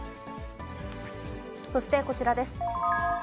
そしてこちらです。